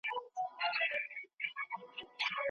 هغه به تل د فولکلور پېچ او خم لټاوه.